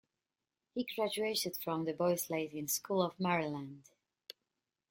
He graduated from the Boys' Latin School of Maryland.